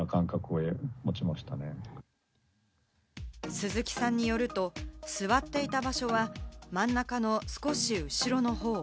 鈴木さんによると、座っていた場所は真ん中の少し後ろの方。